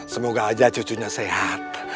semoga aja cucunya sehat